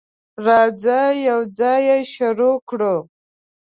راځه، یوځای شروع کړو.